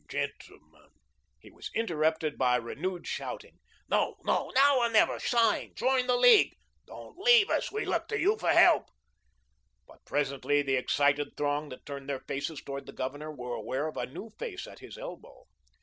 Gentlemen " He was interrupted by renewed shouting. "No, no, now or never. Sign, join the League." "Don't leave us. We look to you to help." But presently the excited throng that turned their faces towards the Governor were aware of a new face at his elbow.